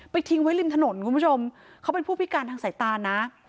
ทิ้งไว้ริมถนนคุณผู้ชมเขาเป็นผู้พิการทางสายตานะ